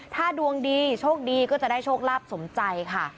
ถ้าดวงดีโชคดีก็จะได้โชคลาภสมใจค่ะ